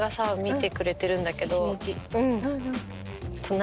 うん。